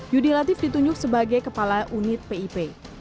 yudi latif ditunjuk sebagai kepala unit pip